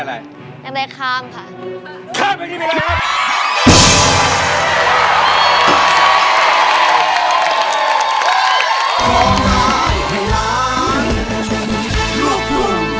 แผ่นไหนครับ